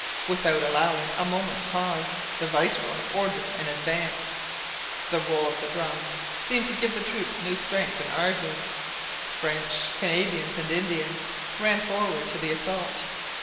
Without allowing a moment's pause, the viceroy ordered an advance. The roll of the drums seemed to give the troops new strength and ardour; French, Canadians, and Indians ran forward to the assault.